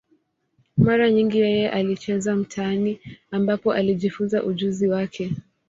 Mara nyingi yeye alicheza mitaani, ambapo alijifunza ujuzi wake.